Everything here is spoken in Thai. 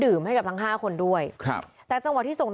เมื่อวานแบงค์อยู่ไหนเมื่อวาน